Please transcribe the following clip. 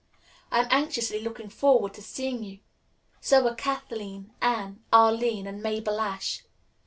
I am anxiously looking forward to seeing you. So are Kathleen, Anne, Arline and Mabel Ashe.